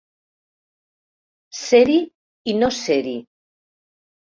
Ser-hi i no ser-hi.